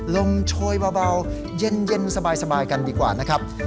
โชยเบาเย็นสบายกันดีกว่านะครับ